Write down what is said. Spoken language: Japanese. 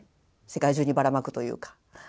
世界中にばらまくというか。